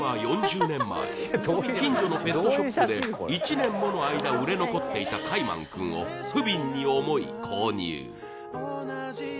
近所のペットショップで１年もの間売れ残っていたカイマンくんをふびんに思い購入